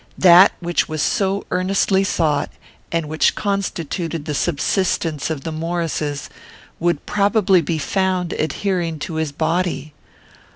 That which was so earnestly sought, and which constituted the subsistence of the Maurices, would probably be found adhering to his body.